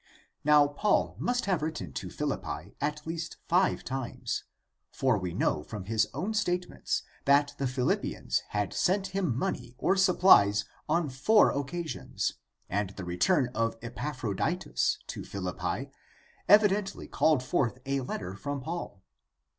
Now, Paul must have written to Philii)pi at least five times; for we know from his own statements that the Philippians had sent him money or supplies on four occasions, and the return of Epaphroditus to Philippi evidently called forth a letter from Paul.